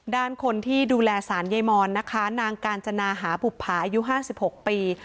ด้านคนที่ดูแลสารยายมอนนะคะนางกาญจนาหาบุภาอายุ๕๖ปี